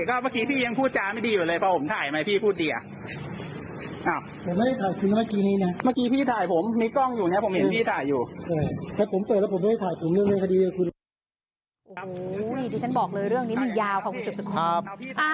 โอ้โหที่ฉันบอกเลยเรื่องนี้มันยาวของวิศัพท์สุขค่ะ